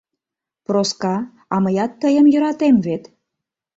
Проска, а мыят тыйым йӧратем вет!..